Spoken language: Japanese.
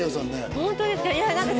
本当ですか？